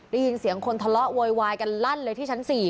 ได้ยินเสียงคนทะเลาะโวยวายกันลั่นเลยที่ชั้น๔